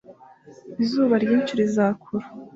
izuba ryinshi rizakura